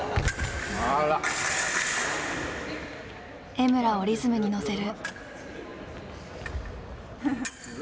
江村をリズムに乗せる。